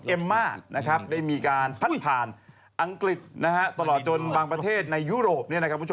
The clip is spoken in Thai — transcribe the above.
เอมมานะครับได้มีการพัดผ่านอังกฤษนะฮะตลอดจนบางประเทศในยุโรป